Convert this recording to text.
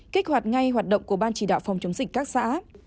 kích hoạt ngay hoạt động của ban chỉ đạo phòng chống dịch các xã